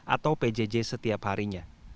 atau pjj setiap harinya